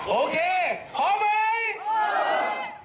โอเคพร้อมไหม